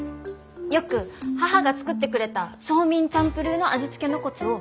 よく母が作ってくれたソーミンチャンプルーの味付けのコツを応用しました。